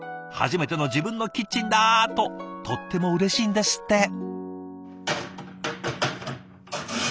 「初めての自分のキッチンだ！」ととってもうれしいんですって。